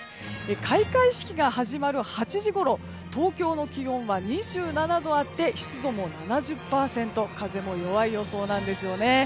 開会式が始まる８時ごろ東京の気温は２７度あって湿度も７０％風も弱い予想なんですよね。